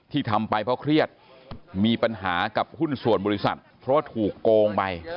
ทำไปเพราะเครียดมีปัญหากับหุ้นส่วนบริษัทเพราะว่าถูกโกงไป